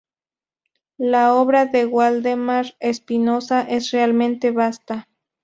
La obra de Waldemar Espinoza es realmente vasta.